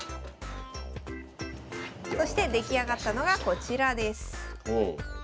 そして出来上がったのがこちらです。